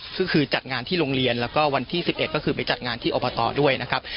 ก็คือจัดงานที่โรงเรียนแล้วก็วันที่๑๑ก็คือไปจัดงานที่อบตด้วยนะครับ